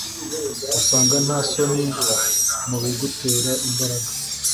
gusanga nta soni mubigutera imbaraga